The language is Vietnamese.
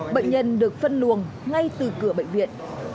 bệnh nhân được phân luồng ngay từ cửa bệnh viện